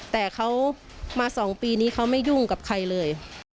แต่เขามา๒ปีนี้เขาไม่ยุ่งกับใครเลย